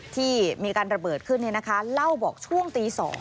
ที่มีการระเบิดขึ้นเล่าบอกช่วงตี๒